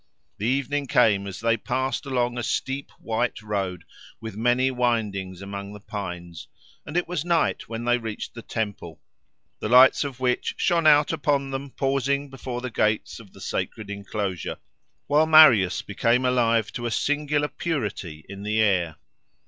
The evening came as they passed along a steep white road with many windings among the pines, and it was night when they reached the temple, the lights of which shone out upon them pausing before the gates of the sacred enclosure, while Marius became alive to a singular purity in the air.